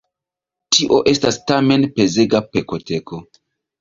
Tio estas tamen pezega pekoteko.